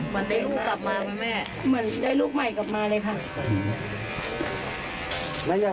ไม่เอาไม่เอาไม่เอา